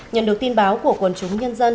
nhận được tin báo của quần chúng nhân dân